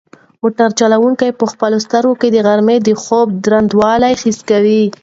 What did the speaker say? موټر چلونکی په خپلو سترګو کې د غرمې د خوب دروندوالی حس کوي.